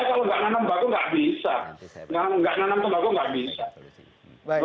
tidak menanam tembaku tidak bisa